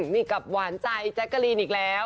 นี่กับหวานใจแจ๊กกะลีนอีกแล้ว